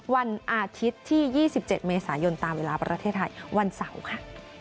วันอาทิตย์ที่๒๗เมษายนตามเวลาประเทศไทยวันเสาร์ค่ะ